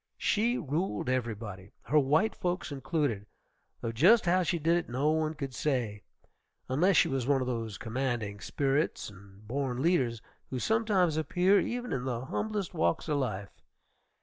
She ruled everybody, her white folks included, though just how she did it no one could say, unless she was one of those commanding spirits and born leaders who sometimes appear even in the humblest walks of life.